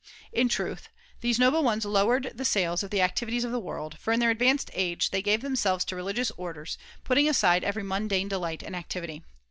In truth, these noble ones lowered the sails of the activities of the world j for in their advanced age they gave XXVIII. THE FOURTH TREATISE 373 themselves to religious orders, putting aside as did every mundane delight and activity.